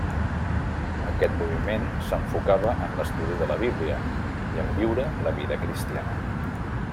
Aquest moviment s'enfocava en l'estudi de la Bíblia, i en viure la vida cristiana.